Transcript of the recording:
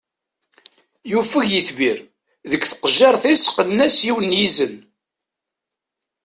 Yufeg yitbir, deg tqejjirt-is qqnen-as yiwen n izen.